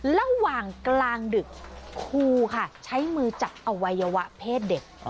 ระหว่างกลางดึกครูค่ะใช้มือจับอวัยวะเพศเด็ก